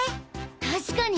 確かに！